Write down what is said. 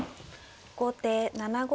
後手７五歩。